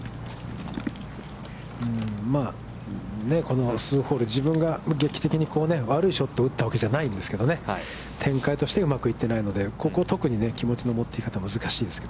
この数ホール、自分が劇的に悪いショットを打ったわけじゃないんですけど、展開としてうまくいってないので、ここ特に気持ちの持っていき方難しいですね。